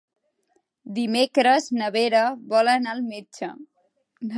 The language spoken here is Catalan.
Dimecres na Vera vol anar al metge.